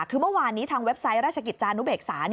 คือเมื่อวานนี้ทางเว็บไซต์ราชกิจจานุเบกษา